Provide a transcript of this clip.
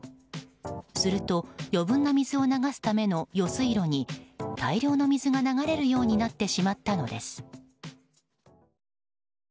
すると、余分な水を流すための余水路に大量の水が流れるようになってしまったのです。